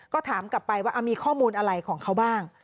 ก็ถามกลับไปว่ามีข้อมูลอะไรของเขาบ้าง